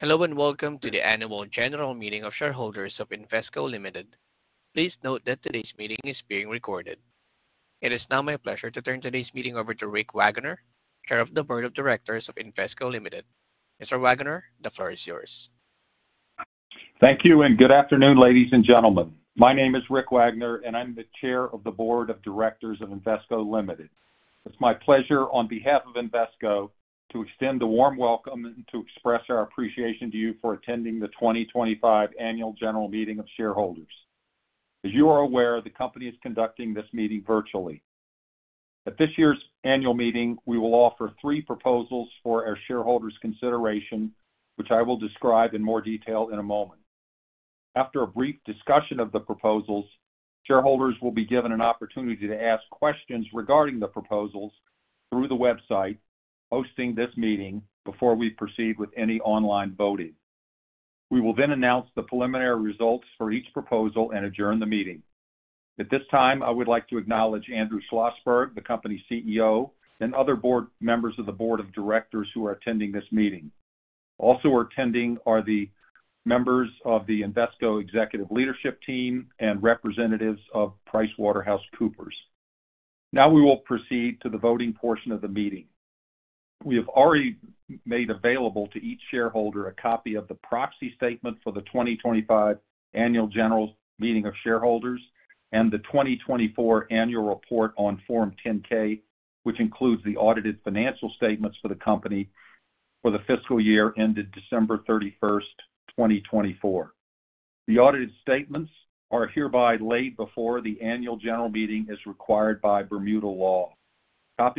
Hello and welcome to the annual general meeting of shareholders of Invesco Limited. Please note that today's meeting is being recorded. It is now my pleasure to turn today's meeting over to Rick Wagoner, Chair of the Board of Directors of Invesco Limited. Mr. Wagoner, the floor is yours. Thank you and good afternoon, ladies and gentlemen. My name is Rick Wagoner and I'm the Chair of the Board of Directors of Invesco Limited. It's my pleasure on behalf of Invesco to extend a warm welcome and to express our appreciation to you for attending the 2025 annual general meeting of shareholders. As you are aware, the company is conducting this meeting virtually. At this year's annual meeting, we will offer three proposals for our shareholders' consideration, which I will describe in more detail in a moment. After a brief discussion of the proposals, shareholders will be given an opportunity to ask questions regarding the proposals through the website hosting this meeting before we proceed with any online voting. We will then announce the preliminary results for each proposal and adjourn the meeting. At this time, I would like to acknowledge Andrew Schlossberg, the company CEO, and other board members of the Board of Directors who are attending this meeting. Also attending are the members of the Invesco Executive Leadership Team and representatives of PricewaterhouseCoopers. Now we will proceed to the voting portion of the meeting. We have already made available to each shareholder a copy of the proxy statement for the 2025 annual general meeting of shareholders and the 2024 annual report on Form 10-K, which includes the audited financial statements for the company for the fiscal year ended December 31st, 2024. The audited statements are hereby laid before the annual general meeting as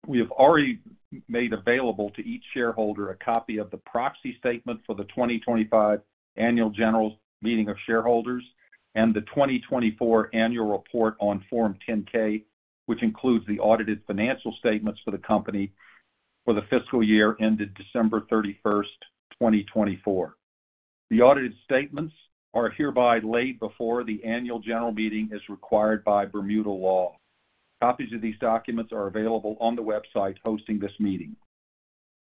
required by Bermuda law. Copies of these documents are available on the website hosting this meeting.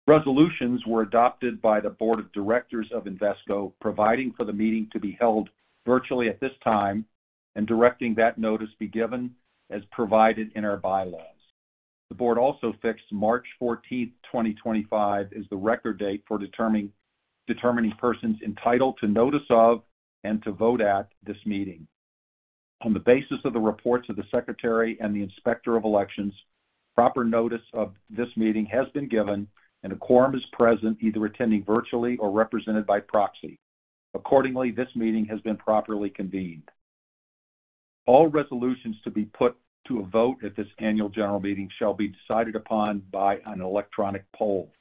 Resolutions were adopted by the Board of Directors of Invesco, providing for the meeting to be held virtually at this time and directing that notice be given as provided in our bylaws. The Board also fixed March 14th, 2025, as the record date for determining persons entitled to notice of and to vote at this meeting. On the basis of the reports of the Secretary and the Inspector of Elections, proper notice of this meeting has been given and a quorum is present, either attending virtually or represented by proxy. Accordingly, this meeting has been properly convened. All resolutions to be put to a vote at this annual general meeting shall be decided upon by an electronic poll.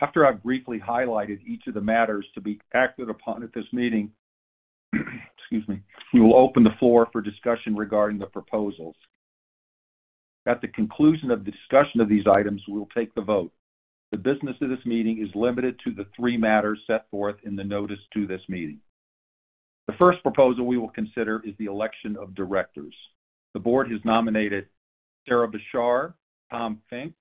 After I've briefly highlighted each of the matters to be acted upon at this meeting, excuse me, we will open the floor for discussion regarding the proposals. At the conclusion of the discussion of these items, we will take the vote. The business of this meeting is limited to the three matters set forth in the notice to this meeting. The first proposal we will consider is the election of directors. The Board has nominated Sarah Beshar, Tom Finke,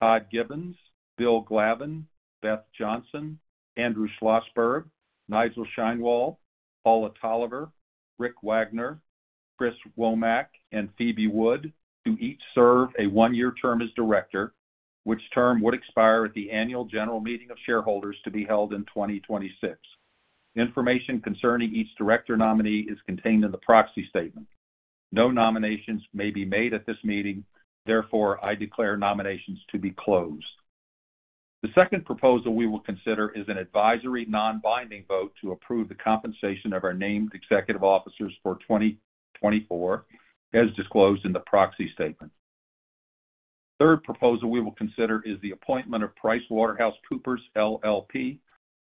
Todd Gibbons, Will Glavin, Beth Johnson, Andrew Schlossberg, Nigel Sheinwald, Paula Tolliver, Rick Wagoner, Chris Womack, and Phoebe Wood to each serve a one-year term as director, which term would expire at the annual general meeting of shareholders to be held in 2026. Information concerning each director nominee is contained in the proxy statement. No nominations may be made at this meeting. Therefore, I declare nominations to be closed. The second proposal we will consider is an advisory non-binding vote to approve the compensation of our named executive officers for 2024, as disclosed in the proxy statement. The third proposal we will consider is the appointment of PricewaterhouseCoopers LLP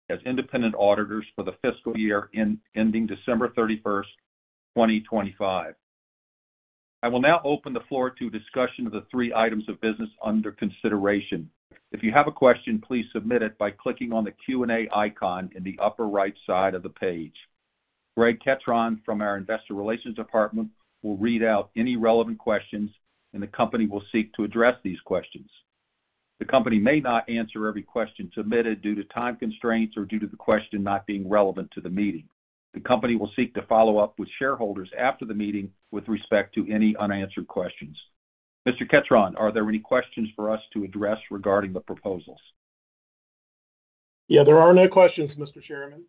as independent auditors for the fiscal year ending December 31st, 2025. I will now open the floor to discussion of the three items of business under consideration. If you have a question, please submit it by clicking on the Q&A icon in the upper right side of the page. Greg Ketron from our investor relations department will read out any relevant questions and the company will seek to address these questions. The company may not answer every question submitted due to time constraints or due to the question not being relevant to the meeting. The company will seek to follow up with shareholders after the meeting with respect to any unanswered questions. Mr. Ketron, are there any questions for us to address regarding the proposals? Yeah, there are no questions, Mr. Chairman.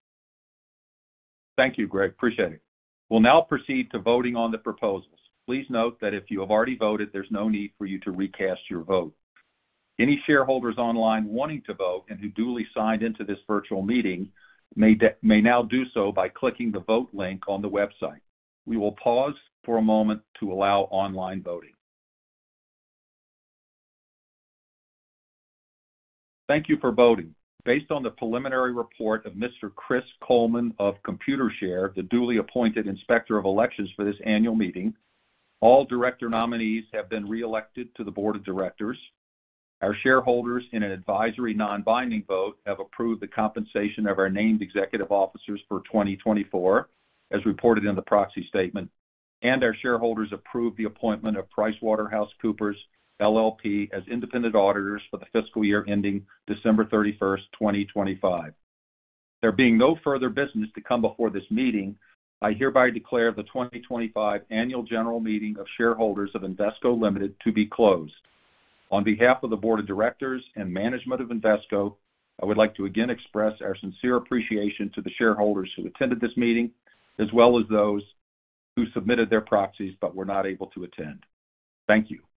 Thank you, Greg. Appreciate it. We'll now proceed to voting on the proposals. Please note that if you have already voted, there's no need for you to recast your vote. Any shareholders online wanting to vote and who duly signed into this virtual meeting may now do so by clicking the vote link on the website. We will pause for a moment to allow online voting. Thank you for voting. Based on the preliminary report of Mr. Chris Coleman of Computershare, the duly appointed Inspector of Elections for this annual meeting, all director nominees have been re-elected to the Board of Directors. Our shareholders, in an advisory non-binding vote, have approved the compensation of our named executive officers for 2024, as reported in the proxy statement, and our shareholders approved the appointment of PricewaterhouseCoopers LLP as independent auditors for the fiscal year ending December 31st, 2025. There being no further business to come before this meeting, I hereby declare the 2025 annual general meeting of shareholders of Invesco Limited to be closed. On behalf of the Board of Directors and management of Invesco, I would like to again express our sincere appreciation to the shareholders who attended this meeting, as well as those who submitted their proxies but were not able to attend. Thank you.